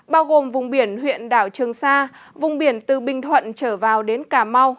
biển huyện đảo trường sa vùng biển từ bình thuận trở vào đến cà mau